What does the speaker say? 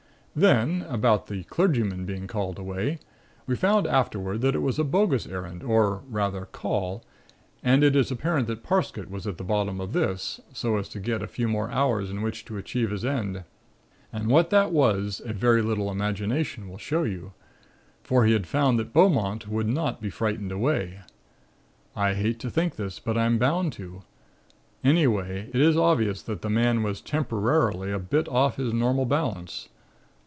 "Then, about the clergyman being called away, we found afterward that it was a bogus errand, or, rather, call and it is apparent that Parsket was at the bottom of this, so as to get a few more hours in which to achieve his end and what that was, a very little imagination will show you; for he had found that Beaumont would not be frightened away. I hate to think this, but I'm bound to. Anyway, it is obvious that the man was temporarily a bit off his normal balance.